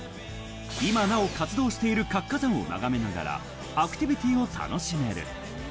今なお活動している活火山を眺めながらアクティビティーを楽しめる。